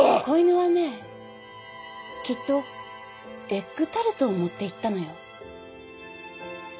子犬はねきっとエッグタルトを持っていったのよ。